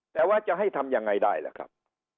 แต่ว่าจะให้ทำยังไงได้ล่ะครับ